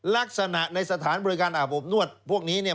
ลักษณะในสถานบริการอาบอบนวดพวกนี้เนี่ย